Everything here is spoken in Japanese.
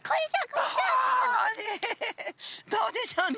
ああどうでしょうね。